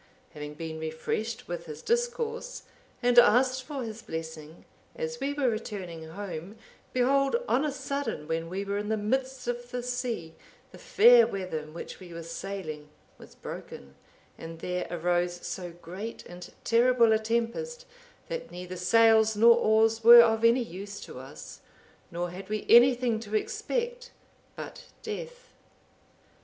Having been refreshed with his discourse, and asked for his blessing, as we were returning home, behold on a sudden, when we were in the midst of the sea, the fair weather in which we were sailing, was broken, and there arose so great and terrible a tempest, that neither sails nor oars were of any use to us, nor had we anything to expect but death.